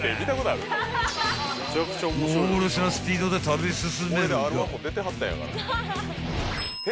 ［猛烈なスピードで食べ進めるが］